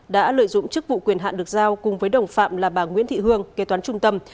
đã lợi dụng chức vụ quyền hạn được giao cùng với đồng phạm là bà nguyễn thị hương kế toán trung tâm